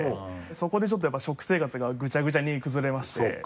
そこでちょっとやっぱ食生活がぐちゃぐちゃに崩れまして。